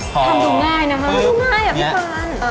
ทำดูง่ายนะฮะ